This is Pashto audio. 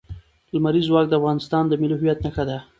لمریز ځواک د افغانستان د ملي هویت نښه ده.